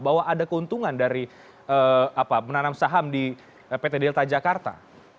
bahwa ada keuntungan dari menanam saham di pt delta jakarta